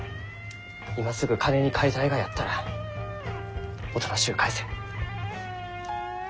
今すぐ金に換えたいがやったらおとなしゅう返せ。